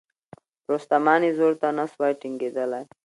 رستمان یې زور ته نه سوای ټینګېدلای